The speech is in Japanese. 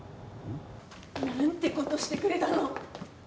何てことしてくれたの！